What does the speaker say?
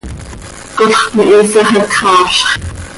Colx cömihiisax hac xaafzx.